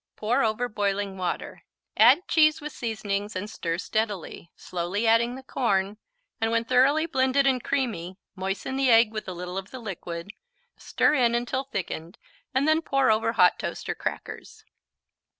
Put over boiling water; add cheese with seasonings and stir steadily, slowly adding the corn, and when thoroughly blended and creamy, moisten the egg with a little of the liquid, stir in until thickened and then pour over hot toast or crackers.